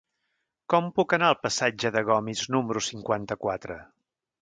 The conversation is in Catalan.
Com puc anar al passatge de Gomis número cinquanta-quatre?